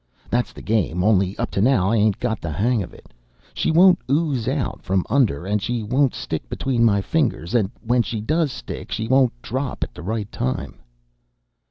That's the game, only up to now I ain't got the hang of it. She won't ooze out from under, and she won't stick between my fingers, and when she does stick, she won't drop at the right time."